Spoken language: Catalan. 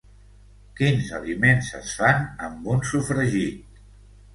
Quins aliments es fan amb un sofregit?